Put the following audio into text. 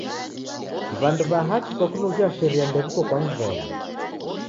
W'andu w'a hachi kwa kunughia sharia ndew'iko kwa mvono.